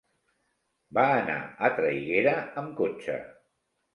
Va anar a Traiguera amb cotxe.